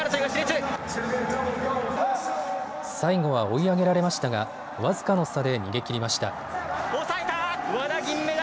最後は追い上げられましたが僅かの差で逃げ切りました。